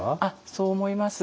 そう思います。